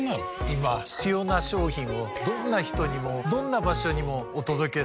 今必要な商品をどんな人にもどんな場所にもお届けする。